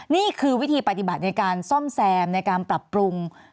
นี่คือวิธีปฏิบัติในการซ่อมแซมในการปรับปรุง